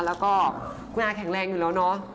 แล้วก็คุณอาแข็งแรงอยู่แล้วเนอะ